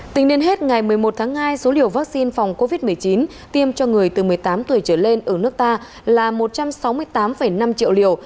tính đến hết ngày một mươi một tháng hai số liều vaccine phòng covid một mươi chín tiêm cho người từ một mươi tám tuổi trở lên ở nước ta là một trăm sáu mươi tám năm triệu liều